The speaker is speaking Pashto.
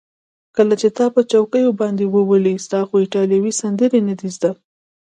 کله چې تا په چوکیو باندې وولي، ستا خو ایټالوي سندرې نه دي زده.